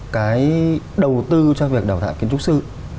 cái đầu tư cho việc đào tạo kiến trúc sư